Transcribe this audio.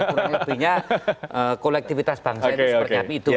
kurang lebihnya kolektivitas bangsa itu seperti apa itu